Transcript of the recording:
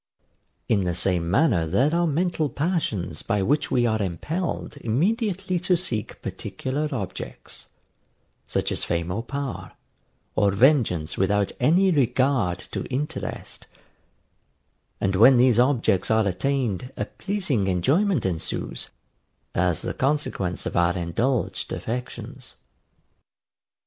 In the same manner there are mental passions by which we are impelled immediately to seek particular objects, such as fame or power, or vengeance without any regard to interest; and when these objects are attained a pleasing enjoyment ensues, as the consequence of our indulged affections.